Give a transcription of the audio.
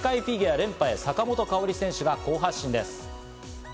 世界フィギュア連覇へ、坂本花織選手が好発進です。